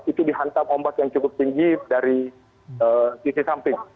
itu dihantam ombak yang cukup tinggi dari sisi samping